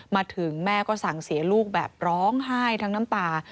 มาถึงแม่ก็สั่งเสียลูกแบบร้องไห้ทั้งน้ำตา